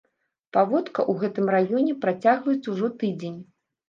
Паводка ў гэтым раёне працягваецца ўжо тыдзень.